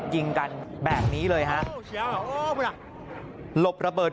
เหมือนกับพ่ออัลบิต